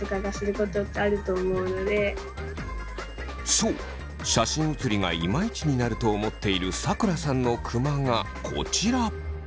そう写真写りがイマイチになると思っているさくらさんのクマがこちら。